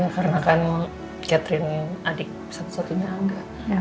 karena kan catherine adik satu satunya angga